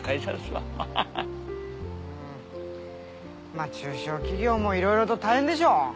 まあ中小企業もいろいろと大変でしょ。